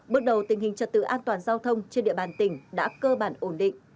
bước đầu tình hình trật tự an toàn giao thông trên địa bàn tỉnh đã cơ bản ổn định